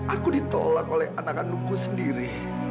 aku ditolak oleh anak anak dukku sendiri